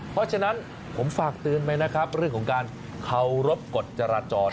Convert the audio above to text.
เพราะฉะนั้นผมฝากเตือนไปนะครับเรื่องของการเคารพกฎจราจร